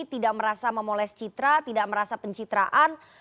tidak merasa memoles citra tidak merasa pencitraan